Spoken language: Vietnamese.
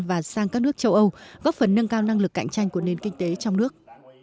và sang các nước châu âu góp phần nâng cao năng lực cạnh tranh của nền kinh tế trong nước